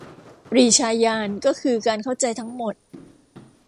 ปรีชาญาณก็คือการเข้าใจทั้งหมด